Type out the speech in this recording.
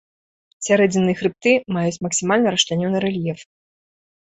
Сярэдзінныя хрыбты маюць максімальна расчлянёны рэльеф.